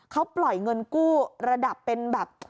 เขาปล่อยเงินกู้ระดับเป็นแบบ